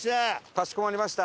かしこまりました。